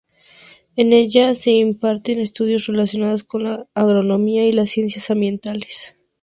En ella se imparten estudios relacionados con la agronomía y las ciencias ambientales.